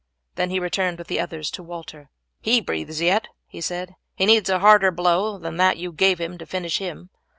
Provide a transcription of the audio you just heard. Then he returned with the others to Walter. "He breathes yet," he said. "He needs a harder blow than that you gave him to finish him.